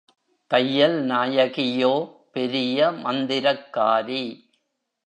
தையல் நாயகியோ பெரிய மந்திரக்காரி.